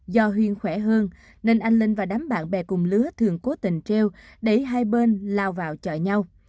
do huyên khỏe hơn nên anh linh và đám bạn bè cùng lứa thường cố tình treo để hai bên lao vào chợ nhau